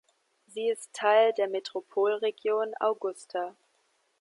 Sie ist Teil der Metropolregion Augusta.